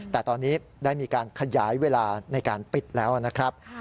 แต่ตอนนี้ได้มีการขยายเวลาในการปิดแล้วนะครับ